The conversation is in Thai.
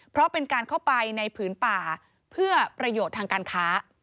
เพราะเป็นการเข้าไปในผืนป่าเพื่อประโยชน์ทางการค้า